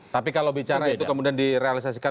tapi kalau bicara itu kemudian direalisasikan